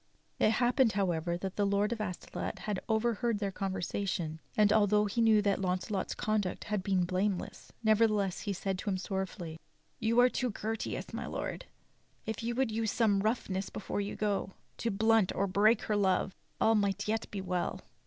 It happened, however, that the Lord of Astolat had overheard their conversation; and although he knew that Launcelot's conduct had been blameless, nevertheless he said to him sorrowfully: "You are too courteous, my Lord; if you would use some rough ness before you go, to blunt or break her love, all might yet be well."